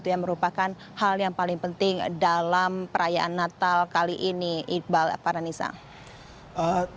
yang merupakan hal yang paling penting dalam perayaan natal kali ini iqbal farhanisa